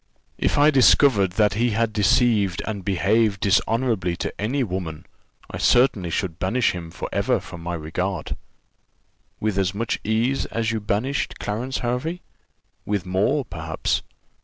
"If I discovered that he had deceived and behaved dishonourably to any woman, I certainly should banish him for ever from my regard." "With as much ease as you banished Clarence Hervey?" "With more, perhaps."